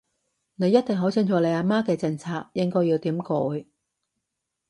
你一定好清楚你阿媽嘅政策應該要點改